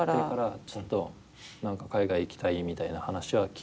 ちょっと何か海外行きたいみたいな話は聞いてて。